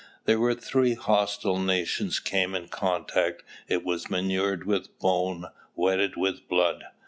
"There where three hostile nations came in contact it was manured with bones, wetted with blood.